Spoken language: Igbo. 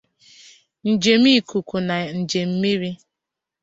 njem ikuku na njem mmiri